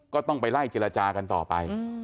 ก็ต้องไปไล่เจรจากันต่อไป